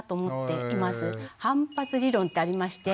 反発理論ってありまして。